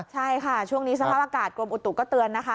ใช่ค่ะช่วงนี้สภาพอากาศกรมอุตุก็เตือนนะคะ